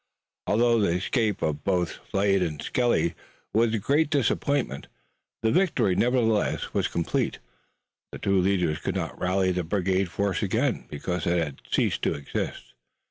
Although the escape of both Slade and Skelly was a great disappointment the victory nevertheless was complete. The two leaders could not rally the brigand force again, because it had ceased to exist.